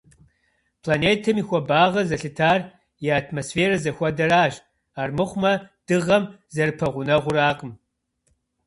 Планетэм и хуэбагъыр зэлъытар и атмосферэр зыхуэдэращ, армыхъумэ Дыгъэм зэрыпэгъунэгъуракъым.